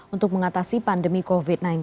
untuk mengatasi pandemi covid sembilan belas